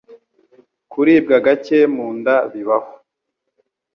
Kuribwa gake mu nda bibaho